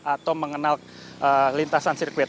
atau mengenal lintasan sirkuit